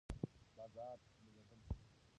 بازار به بدل شي.